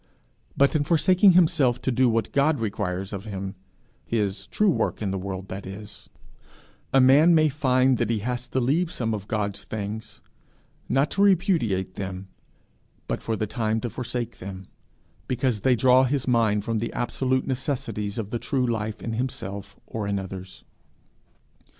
But in forsaking himself to do what God requires of him his true work in the world, that is, a man may find he has to leave some of God's things not to repudiate them, but for the time to forsake them, because they draw his mind from the absolute necessities of the true life in himself or in others.